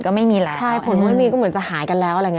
จำนวนจำกัด